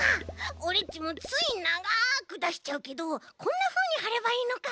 オレっちもついながくだしちゃうけどこんなふうにはればいいのか。